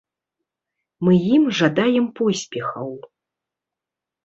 Мы ім жадаем поспехаў.